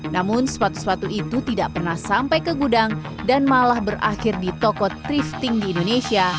namun sepatu sepatu itu tidak pernah sampai ke gudang dan malah berakhir di toko thrifting di indonesia